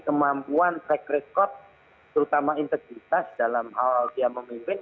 kemampuan track record terutama integritas dalam hal dia memimpin